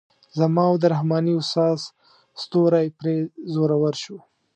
زما او د رحماني استاد ستوری پرې زورور شو.